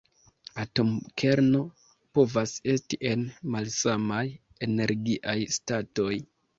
Atomkerno povas esti en malsamaj energiaj statoj.